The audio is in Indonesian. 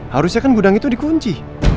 harusnya kan gudang itu di kunci